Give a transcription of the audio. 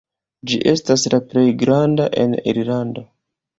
Ĝi estas la plej granda en Irlando.